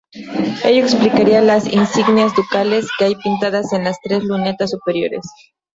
Ello explicaría las insignias ducales que hay pintadas en las tres lunetas superiores.